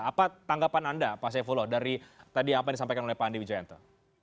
apa tanggapan anda pak saifullah dari tadi apa yang disampaikan oleh pak andi wijayanto